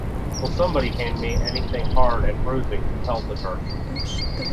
Will somebody hand me anything hard and bruising to pelt at her?